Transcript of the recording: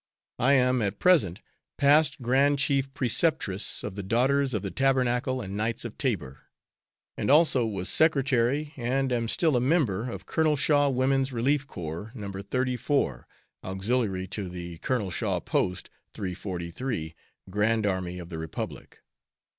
I am at present, Past Grand Chief Preceptress of the "Daughters of the Tabernacle and Knights of Tabor," and also was Secretary, and am still a member, of Col. Shaw Woman's Relief Corps, No. 34, auxiliary to the Col. Shaw Post, 343, Grand Army of the Republic.